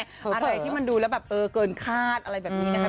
อะไรที่มันดูแล้วแบบเออเกินคาดอะไรแบบนี้นะคะ